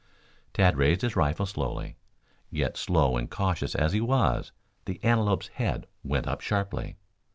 Tad raised his rifle slowly. Yet slow and cautious as he was, the antelope's head went up sharply.